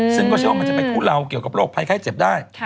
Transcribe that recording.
ซึ่งก็เชื่อว่ามันจะไปทุเลาเกี่ยวกับโรคภัยไข้เจ็บได้